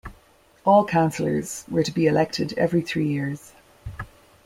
All councillors were to be elected every three years.